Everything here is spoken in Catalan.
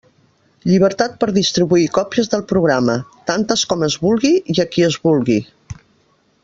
Llibertat per a distribuir còpies del programa; tantes com es vulgui i a qui es vulgui.